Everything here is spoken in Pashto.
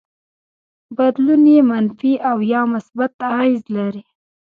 بدلون يې منفي او يا مثبت اغېز لري.